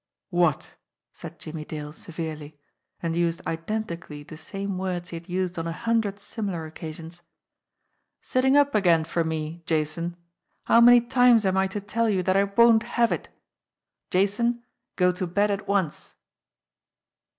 "What!" said Jimmie Dale severely and used identically the same words he had used on a hundred similar occa sions : "Sitting up again for me, Jason ? How many times am I to tell you that I won't have it? Jason, go to bed at once